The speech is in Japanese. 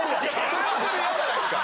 それはそれで嫌じゃないですか。